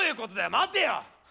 待てよ！